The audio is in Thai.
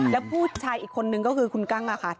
แล้วผู้ชายอีกคนนึงก็คือคุณกั้งค่ะ